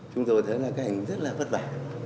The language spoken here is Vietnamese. chúng tôi thấy là cái hình rất là vất vả